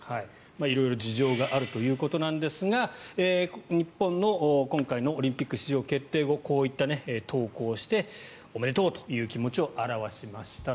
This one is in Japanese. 色々事情があるということですが日本の今回のオリンピック出場決定後こういった投稿をしておめでとうという気持ちを表しました。